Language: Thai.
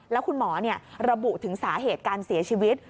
แล้วคุณหมอระบุถึงสาเหตุการเสียชีวิต